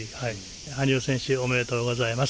羽生選手、おめでとうございます。